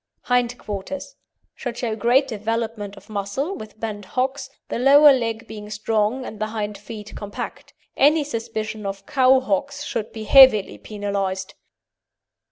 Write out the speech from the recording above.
HIND QUARTERS Should show great development of muscle, with bent hocks, the lower leg being strong and the hind feet compact. Any suspicion of cow hocks should be heavily penalised.